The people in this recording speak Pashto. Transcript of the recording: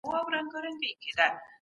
د څېړني ساحه باید په نښه سي.